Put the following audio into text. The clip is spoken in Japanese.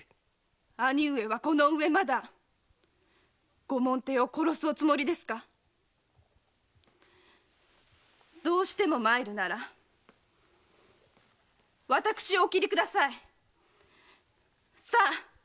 兄上はこの上まだ御門弟を殺すおつもりですか⁉どうしても参るなら私をお斬りください！さ！